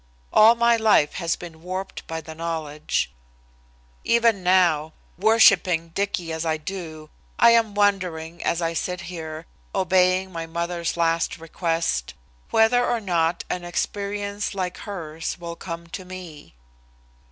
All my life has been warped by the knowledge. Even now, worshipping Dicky as I do, I am wondering as I sit here, obeying my mother's last request, whether or not an experience like hers will come to me.